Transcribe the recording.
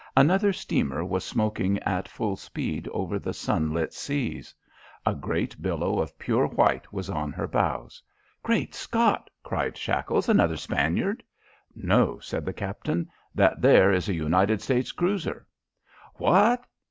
Another steamer was smoking at full speed over the sun lit seas. A great billow of pure white was on her bows. "Great Scott!" cried Shackles. "Another Spaniard?" "No," said the captain, "that there is a United States cruiser!" "What?"